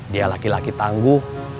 dia laki laki tangguh